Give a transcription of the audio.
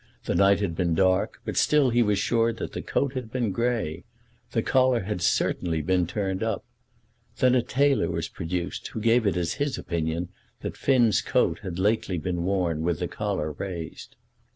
The night had been dark, but still he was sure that the coat had been grey. The collar had certainly been turned up. Then a tailor was produced who gave it as his opinion that Finn's coat had been lately worn with the collar raised.